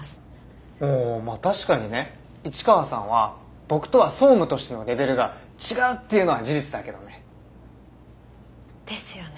まあ確かにね市川さんは僕とは総務としてのレベルが違うっていうのは事実だけどね。ですよね。